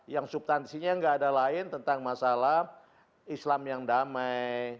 yang subtansinya nggak ada lain tentang masalah islam yang damai